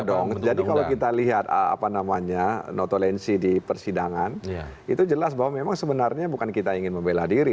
dong jadi kalau kita lihat apa namanya notolensi di persidangan itu jelas bahwa memang sebenarnya bukan kita ingin membela diri